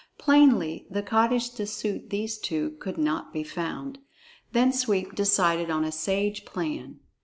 Plainly the cottage to suit these two could not be found. Then Sweep decided on a sage plan.